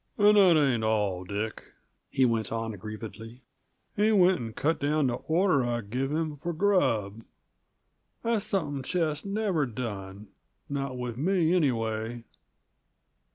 "And that ain't all, Dick," he went on aggrievedly. "He went and cut down the order I give him for grub. That's something Ches never done not with me, anyway.